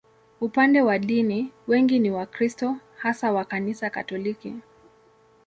Upande wa dini, wengi ni Wakristo, hasa wa Kanisa Katoliki.